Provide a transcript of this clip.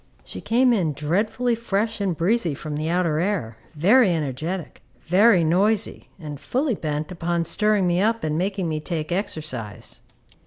She came in dreadfully fresh and breezy from the outer air, very energetic, very noisy, and fully bent upon stirring me up and making me take exercise.